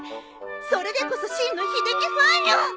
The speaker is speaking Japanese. それでこそ真の秀樹ファンよ！